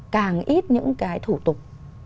càng ít những cái thủ tục